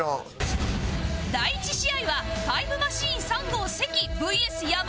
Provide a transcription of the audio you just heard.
第１試合はタイムマシーン３号関 ＶＳ 山内